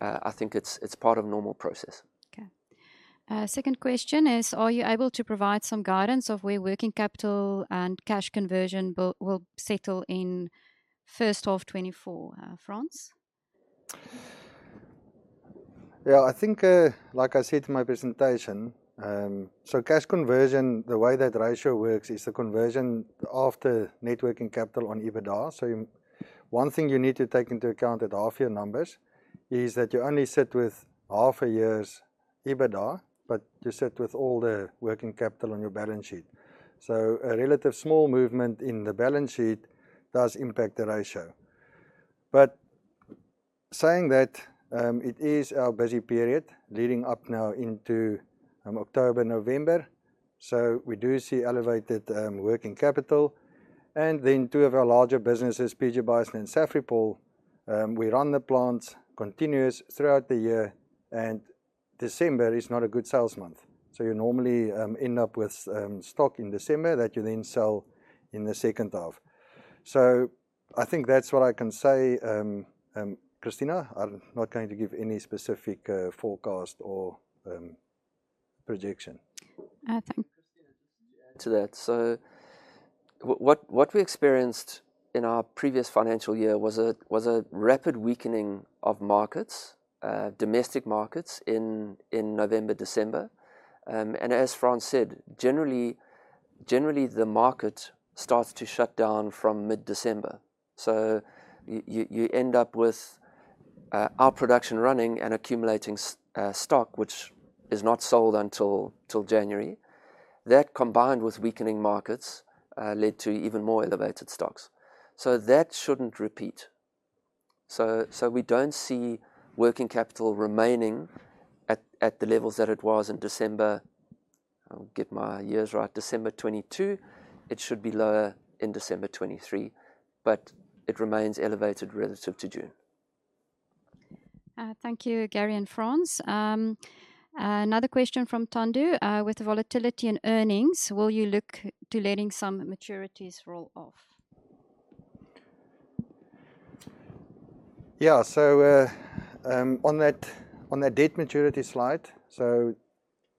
I think it's part of normal process. Okay. Second question is, are you able to provide some guidance of where working capital and cash conversion will settle in first half 2024, Frans? Yeah, I think, like I said in my presentation, so cash conversion, the way that ratio works is the conversion of the net working capital on EBITDA. So one thing you need to take into account at half year numbers is that you only sit with half a year's EBITDA, but you sit with all the working capital on your balance sheet. So a relative small movement in the balance sheet does impact the ratio. But saying that, it is our busy period leading up now into October, November, so we do see elevated working capital. And then two of our larger businesses, PG Bison and Safripol, we run the plants continuous throughout the year, and December is not a good sales month. So you normally end up with stock in December that you then sell in the second half. I think that's what I can say. Christina, I'm not going to give any specific forecast or projection. Uh, thank- Christina, just to add to that. So what we experienced in our previous financial year was a rapid weakening of markets, domestic markets in November, December. And as Frans said, generally, the market starts to shut down from mid-December. So you end up with our production running and accumulating stock, which is not sold until January. That, combined with weakening markets, led to even more elevated stocks. So that shouldn't repeat. So we don't see working capital remaining at the levels that it was in December. I'll get my years right, December 2022. It should be lower in December 2023, but it remains elevated relative to June. Thank you, Gary and Frans. Another question from Thando: "With the volatility in earnings, will you look to letting some maturities roll off? Yeah. So, on that, on that debt maturity slide, so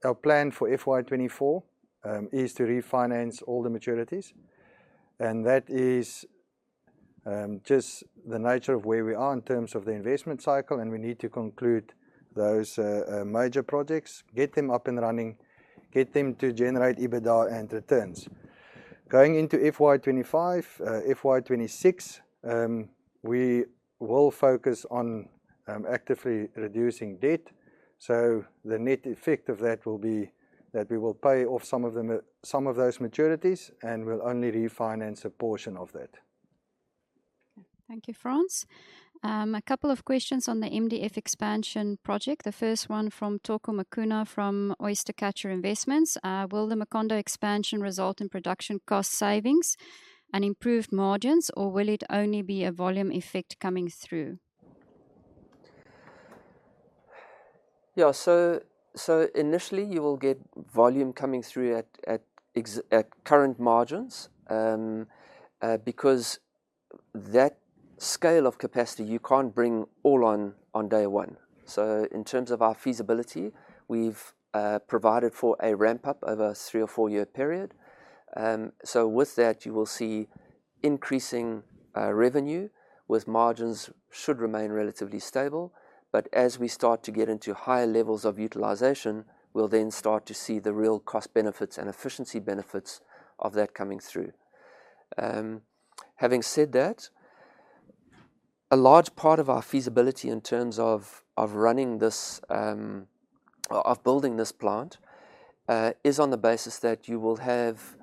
our plan for FY 2024 is to refinance all the maturities, and that is just the nature of where we are in terms of the investment cycle, and we need to conclude those major projects, get them up and running, get them to generate EBITDA and returns. Going into FY 2025, FY 2026, we will focus on actively reducing debt. So the net effect of that will be that we will pay off some of those maturities, and we'll only refinance a portion of that. Okay. Thank you, Frans. A couple of questions on the MDF expansion project. The first one from Toko Makuna from Oystercatcher Investments: "Will the Mkhondo expansion result in production cost savings and improved margins, or will it only be a volume effect coming through? Yeah. So initially, you will get volume coming through at current margins. Because that scale of capacity, you can't bring all on day one. So in terms of our feasibility, we've provided for a ramp-up over a three or four-year period. So with that, you will see increasing revenue, with margins should remain relatively stable. But as we start to get into higher levels of utilization, we'll then start to see the real cost benefits and efficiency benefits of that coming through. Having said that, a large part of our feasibility in terms of running this or building this plant is on the basis that you will have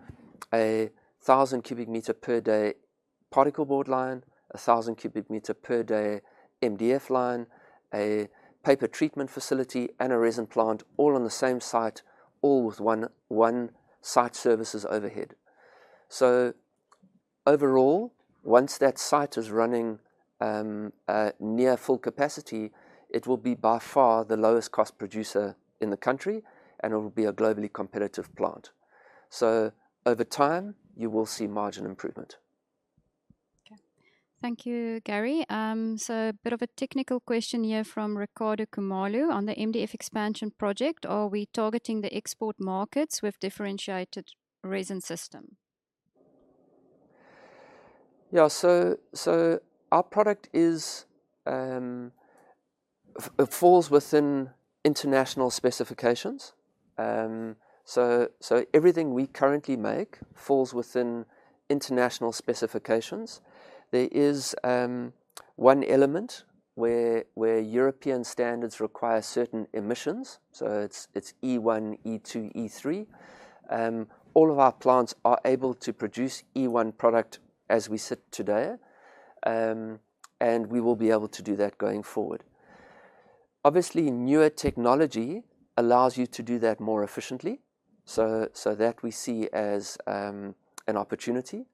a 1,000 cubic meter per day particleboard line, a 1,000 cubic meter per day MDF line, a paper treatment facility, and a resin plant, all on the same site, all with one site services overhead. So overall, once that site is running at near full capacity, it will be by far the lowest cost producer in the country, and it will be a globally competitive plant. So over time, you will see margin improvement. Okay. Thank you, Gary. So a bit of a technical question here from Ricardo Khumalo on the MDF expansion project: "Are we targeting the export markets with differentiated resin system? Yeah. So, so our product is falls within international specifications. So, so everything we currently make falls within international specifications. There is one element where, where European standards require certain emissions, so it's, it's E1, E2, E3. All of our plants are able to produce E1 product as we sit today, and we will be able to do that going forward. Obviously, newer technology allows you to do that more efficiently, so, so that we see as an opportunity.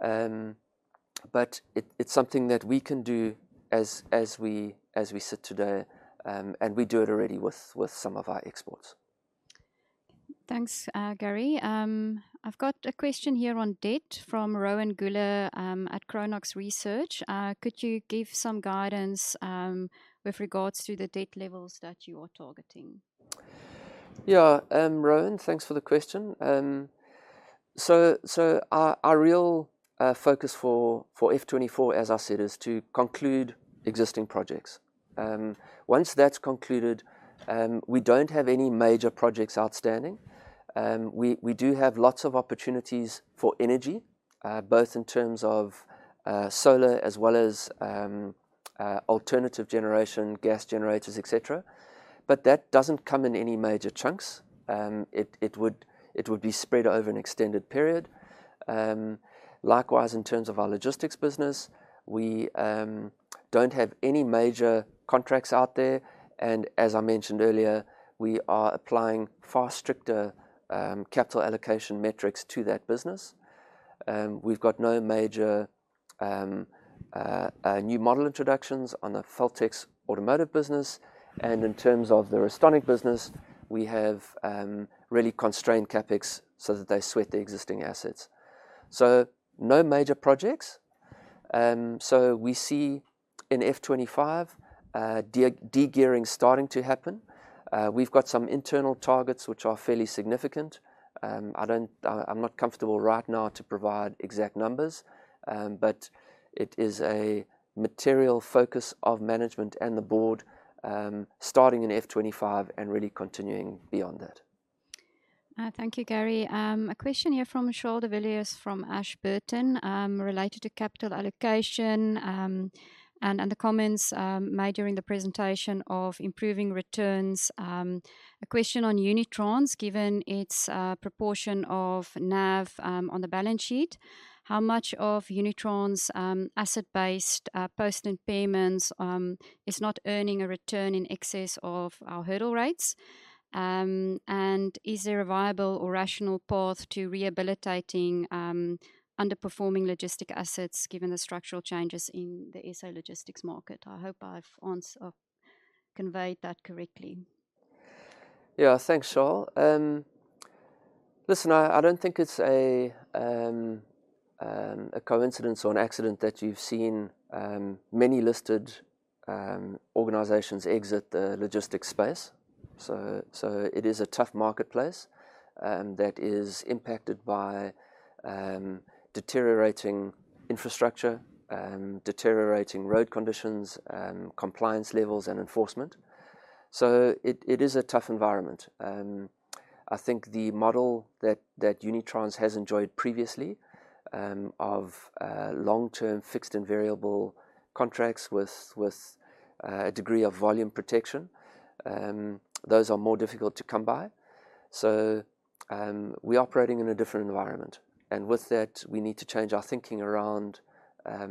But it, it's something that we can do as, as we, as we sit today, and we do it already with, with some of our exports. Thanks, Gary. I've got a question here on debt from Rowan Goeller at Chronux Research. Could you give some guidance with regards to the debt levels that you are targeting? Yeah, Rowan, thanks for the question. So, so our, our real focus for F 24, as I said, is to conclude existing projects. Once that's concluded, we don't have any major projects outstanding. We, we do have lots of opportunities for energy, both in terms of solar as well as alternative generation, gas generators, et cetera. But that doesn't come in any major chunks. It, it would, it would be spread over an extended period. Likewise, in terms of our logistics business, we don't have any major contracts out there, and as I mentioned earlier, we are applying far stricter capital allocation metrics to that business. We've got no major new model introductions on the Feltex Automotive business, and in terms of the Restonic business, we have really constrained CapEx so that they sweat the existing assets. So no major projects. So we see in FY 2025 degearing starting to happen. We've got some internal targets, which are fairly significant. I'm not comfortable right now to provide exact numbers, but it is a material focus of management and the board, starting in FY 2025 and really continuing beyond that. Thank you, Gary. A question here from Charl de Villiers from Ashburton, related to capital allocation, and the comments made during the presentation of improving returns. A question on Unitrans, given its proportion of NAV on the balance sheet, how much of Unitrans' asset-based post and payments is not earning a return in excess of our hurdle rates? And is there a viable or rational path to rehabilitating underperforming logistics assets, given the structural changes in the SA logistics market? I hope I've conveyed that correctly. Yeah. Thanks, Charl. Listen, I don't think it's a coincidence or an accident that you've seen many listed organizations exit the logistics space. So it is a tough marketplace that is impacted by deteriorating infrastructure, deteriorating road conditions, compliance levels, and enforcement. So it is a tough environment. I think the model that Unitrans has enjoyed previously of long-term fixed and variable contracts with a degree of volume protection those are more difficult to come by. So we're operating in a different environment, and with that, we need to change our thinking around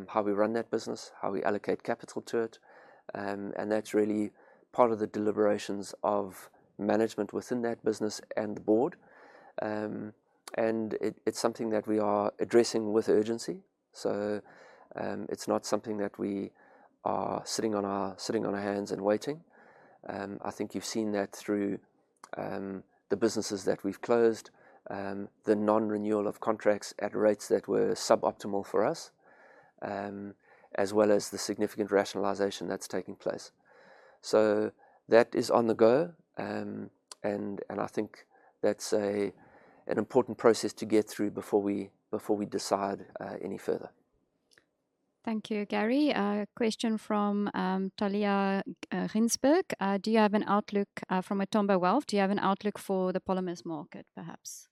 how we run that business, how we allocate capital to it. And that's really part of the deliberations of management within that business and the board. And it's something that we are addressing with urgency. So, it's not something that we are sitting on our hands and waiting. I think you've seen that through the businesses that we've closed, the non-renewal of contracts at rates that were suboptimal for us, as well as the significant rationalization that's taking place. So that is on the go. And I think that's an important process to get through before we decide any further. Thank you, Gary. A question from Talia Ginsberg from Matamba Wealth. Do you have an outlook for the polymers market, perhaps?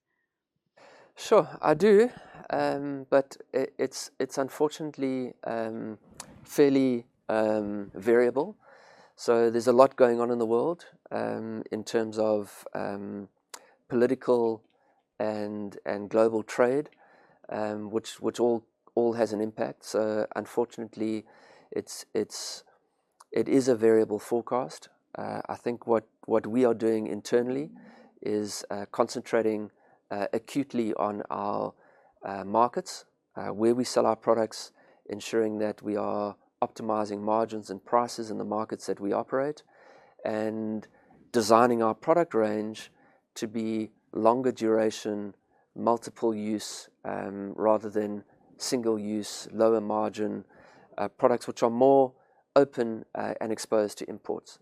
Sure, I do. But it's unfortunately fairly variable. So there's a lot going on in the world in terms of political and global trade which all has an impact. So unfortunately, it is a variable forecast. I think what we are doing internally is concentrating acutely on our markets where we sell our products, ensuring that we are optimizing margins and prices in the markets that we operate, and designing our product range to be longer duration, multiple use rather than single use, lower margin products which are more open and exposed to imports.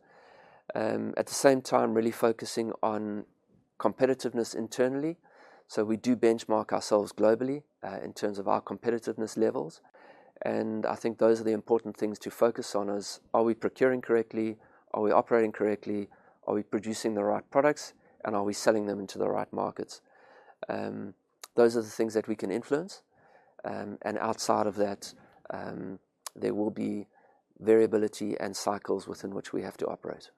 At the same time, really focusing on competitiveness internally. So we do benchmark ourselves globally, in terms of our competitiveness levels, and I think those are the important things to focus on, is: are we procuring correctly? Are we operating correctly? Are we producing the right products, and are we selling them into the right markets? Those are the things that we can influence, and outside of that, there will be variability and cycles within which we have to operate.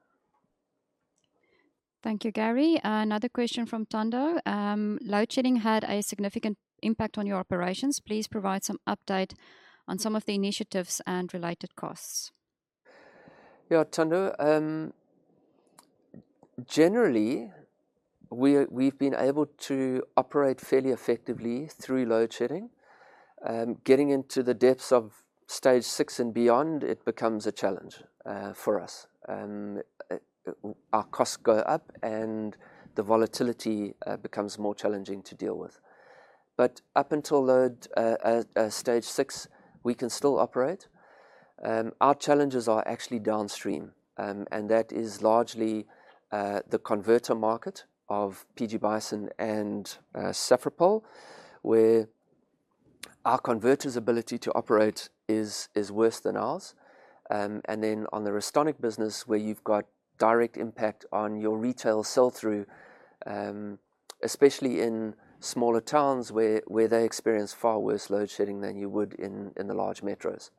Thank you, Gary. Another question from Thando: Load Shedding had a significant impact on your operations. Please provide some update on some of the initiatives and related costs. Yeah, Thando, generally, we are, we've been able to operate fairly effectively through load shedding. Getting into the depths of stage six and beyond, it becomes a challenge for us. Our costs go up, and the volatility becomes more challenging to deal with. But up until stage six, we can still operate. Our challenges are actually downstream, and that is largely the converter market of PG Bison and Safripol, where our converter's ability to operate is worse than ours. And then on the Restonic business, where you've got direct impact on your retail sell-through, especially in smaller towns where they experience far worse load shedding than you would in the large metros.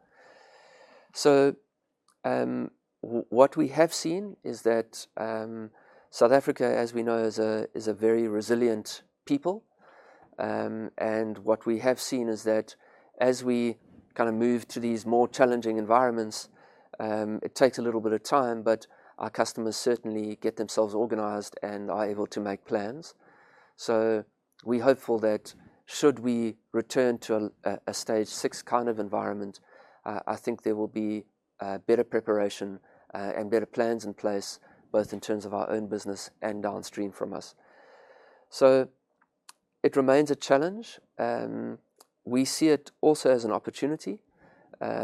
So, what we have seen is that, South Africa, as we know, is a very resilient people. And what we have seen is that as we kinda move to these more challenging environments, it takes a little bit of time, but our customers certainly get themselves organized and are able to make plans. So we're hopeful that should we return to a stage six kind of environment, I think there will be better preparation and better plans in place, both in terms of our own business and downstream from us. So it remains a challenge. We see it also as an opportunity,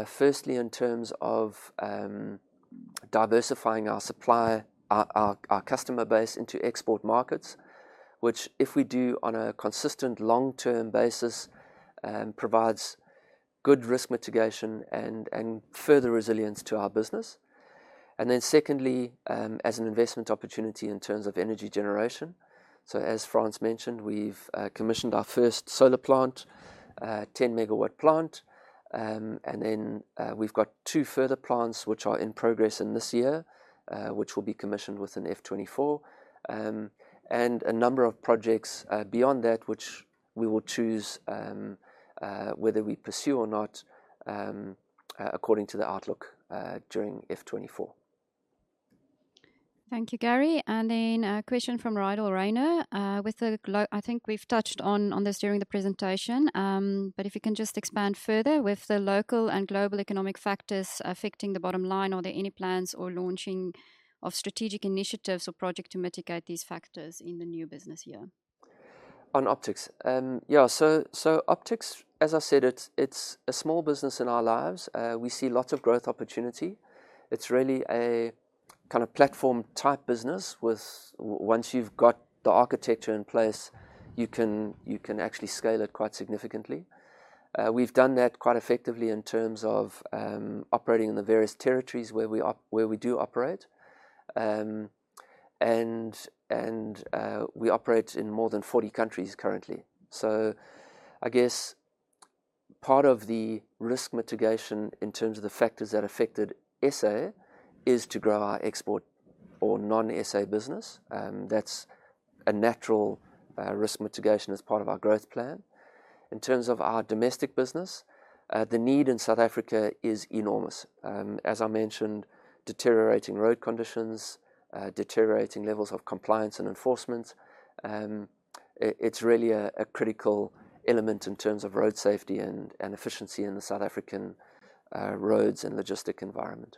firstly, in terms of diversifying our supplier, our customer base into export markets, which, if we do on a consistent long-term basis, provides good risk mitigation and further resilience to our business. Then secondly, as an investment opportunity in terms of energy generation. So as Frans mentioned, we've commissioned our first solar plant, a 10-megawatt plant. And then, we've got two further plants which are in progress in this year, which will be commissioned within FY 2024. And a number of projects beyond that, which we will choose whether we pursue or not, according to the outlook during FY 2024. Thank you, Gary. And then a question from Rydal Rainer. I think we've touched on this during the presentation, but if you can just expand further. With the local and global economic factors affecting the bottom line, are there any plans or launching of strategic initiatives or project to mitigate these factors in the new business year? On Optix? Yeah, so Optix, as I said, it's a small business in our lives. We see lots of growth opportunity. It's really a kind of platform-type business with once you've got the architecture in place, you can actually scale it quite significantly. We've done that quite effectively in terms of operating in the various territories where we do operate. And we operate in more than 40 countries currently. So I guess part of the risk mitigation in terms of the factors that affected SA is to grow our export or non-SA business. That's a natural risk mitigation as part of our growth plan. In terms of our domestic business, the need in South Africa is enormous. As I mentioned, deteriorating road conditions, deteriorating levels of compliance and enforcement. It's really a critical element in terms of road safety and efficiency in the South African roads and logistics environment.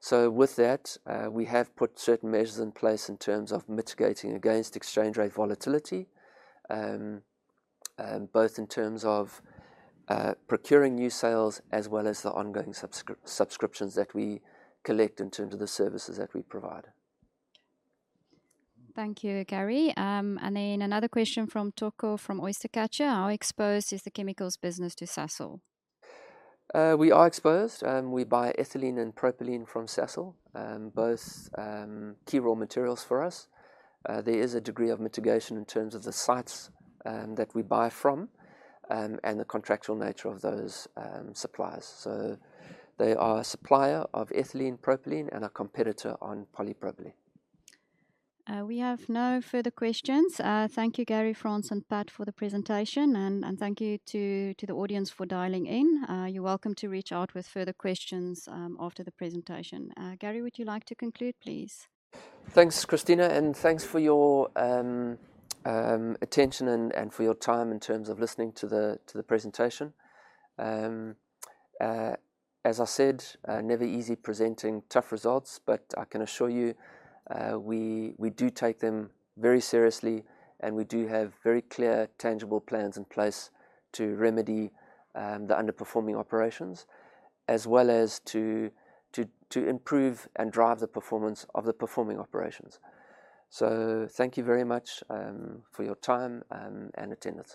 So with that, we have put certain measures in place in terms of mitigating against exchange rate volatility, both in terms of procuring new sales as well as the ongoing subscriptions that we collect in terms of the services that we provide. Thank you, Gary. And then another question from Toko, from Oystercatcher: "How exposed is the chemicals business to Sasol? We are exposed. We buy ethylene and propylene from Sasol, both key raw materials for us. There is a degree of mitigation in terms of the sites that we buy from and the contractual nature of those suppliers. So they are a supplier of ethylene, propylene, and a competitor on polypropylene. We have no further questions. Thank you, Gary, Frans, and Pat, for the presentation, and thank you to the audience for dialing in. You're welcome to reach out with further questions after the presentation. Gary, would you like to conclude, please? Thanks, Christina, and thanks for your attention and for your time in terms of listening to the presentation. As I said, never easy presenting tough results, but I can assure you, we do take them very seriously, and we do have very clear, tangible plans in place to remedy the underperforming operations, as well as to improve and drive the performance of the performing operations. So thank you very much for your time and attendance.